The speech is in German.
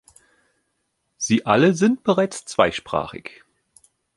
Sie alle sind bereits zweisprachig.